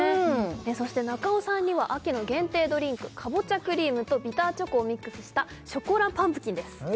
そして中尾さんには秋の限定ドリンクカボチャクリームとビターチョコをミックスしたショコラパンプキンです